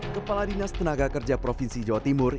kepala dinas tenaga kerja provinsi jawa timur